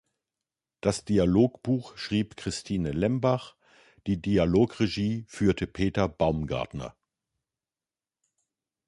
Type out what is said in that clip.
Das Dialogbuch schrieb Christine Lembach, die Dialogregie führte Peter Baumgartner.